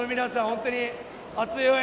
本当に、熱い応援